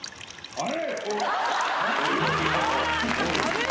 あれ？